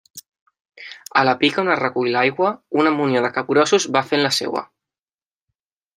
A la pica on es recull l'aigua una munió de capgrossos va fent la seua.